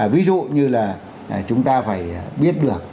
ví dụ như là chúng ta phải biết được